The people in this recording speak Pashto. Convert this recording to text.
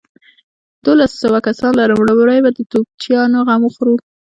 دوولس سوه کسان لرم، لومړۍ به د توپچيانو غم وخورو.